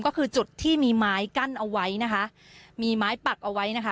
ก็คือจุดที่มีไม้กั้นเอาไว้นะคะมีไม้ปักเอาไว้นะคะ